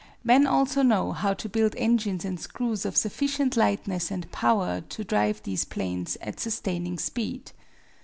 Men also know how to build engines and screws of sufficient lightness and power to drive these planes at sustaining speed.